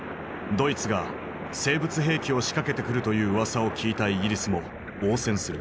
ドイツが生物兵器を仕掛けてくるといううわさを聞いたイギリスも応戦する。